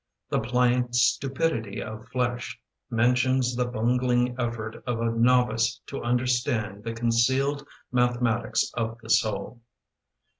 The pliant stupidity of flesh Mentions the bungling effort Of a novice to understand The concealed mathematics of the soul.